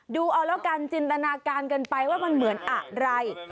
ดูเอาแล้วกันจินตนาการกันไปว่ามันเหมือนอะไร